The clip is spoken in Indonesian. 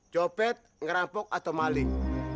jopet ngerampok atau malik